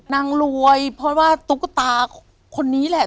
นางรวยเพราะว่าตุ๊กตาคนนี้แหละ